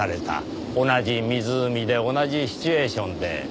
同じ湖で同じシチュエーションで。